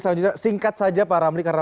selanjutnya singkat saja pak ramli karena